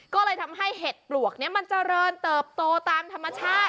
ก็เลยทำให้เห็ดปลวกนี้มันเจริญเติบโตตามธรรมชาติ